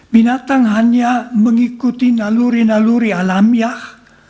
binatang hanya mengikuti naluri naluri alamiah